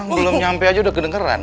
belum nyampe aja udah kedengeran